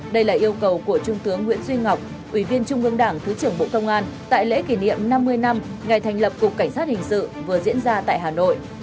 đây là yêu cầu của trung tướng nguyễn duy ngọc ủy viên trung ương đảng thứ trưởng bộ công an tại lễ kỷ niệm năm mươi năm ngày thành lập cục cảnh sát hình sự vừa diễn ra tại hà nội